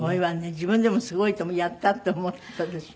自分でもすごいとやった！って思ったでしょ？